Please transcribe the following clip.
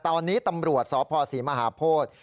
ตอนนี้ตำรวจสพศรีมหาโพธิ